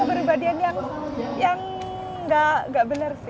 kepribadian yang tidak benar